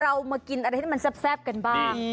เรามากินอะไรที่มันแซ่บกันบ้าง